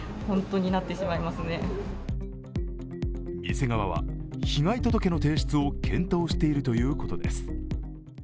店側は被害届の提出を検討しているということです。